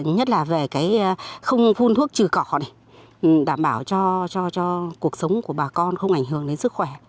nhất là về không phun thuốc trừ cỏ này đảm bảo cho cuộc sống của bà con không ảnh hưởng đến sức khỏe